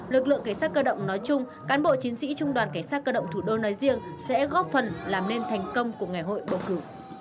lực lượng cảnh sát cơ động nói chung cán bộ chiến sĩ trung đoàn cảnh sát cơ động thủ đô nói riêng sẽ góp phần làm nên thành công của ngày hội bầu cử